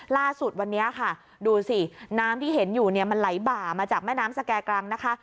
ล่าสุดวันนี้ค่ะดูสิน้ำที่เห็นอยู่เนี่ยมันไหลบ่ามาจากแม่น้ำสแก่กรังนะคะ